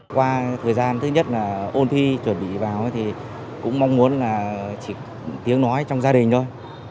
qua thời gian thứ nhất là ôn thi chuẩn bị vào thì cũng mong muốn là chỉ tiếng nói trong gia đình thôi